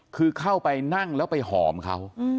คือเข้าไปนั่งแล้วไปหอมเขา